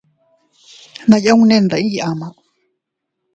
Nayunni ndiiy ama.